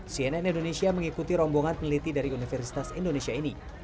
cnn indonesia mengikuti rombongan peneliti dari universitas indonesia ini